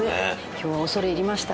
今日は恐れ入りました。